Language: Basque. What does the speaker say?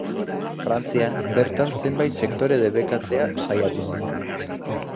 Frantzian bertan zenbait sektore debekatzea saiatu ziren.